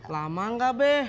lama gak be